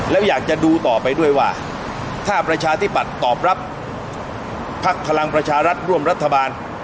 แล้วอยากจะดูต่อไปด้วยว่าถ้าประชาธิบัติตอบรับภักดิ์พลังประชารัฐร่วมรัฐบาล